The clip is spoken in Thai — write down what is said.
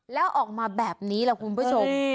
แล้วออกมาแบบนี้ล่ะคุณผู้ชม